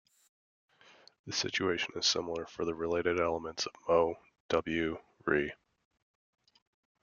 The situation is similar for the related elements of Mo, W, Re.